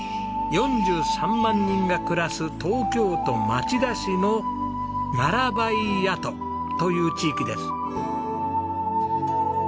４３万人が暮らす東京都町田市の「奈良ばい谷戸」という地域です。